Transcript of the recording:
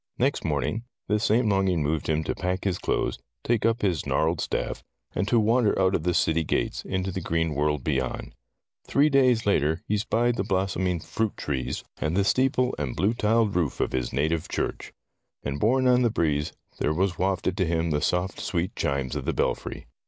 Next morning this same longing moved him to pack his clothes, take up his gnarled staff, and to wander out of the city gates, into the green world beyond. Three days later, he spied the blossoming fruit trees Tales of Modern Germany 9 and the steeple and blue tiled roof of his native church. And borne on the breeze there was wafted to him the soft, sweet chimes of the belfry.